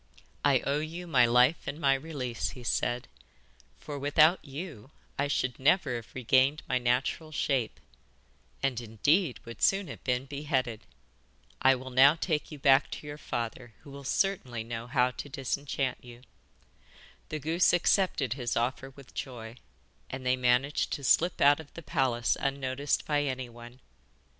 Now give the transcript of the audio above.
'I owe you my life and my release,' he said, 'for without you I should never have regained my natural shape, and, indeed, would soon have been beheaded. I will now take you back to your father, who will certainly know how to disenchant you.' The goose accepted his offer with joy, and they managed to slip out of the palace unnoticed by anyone.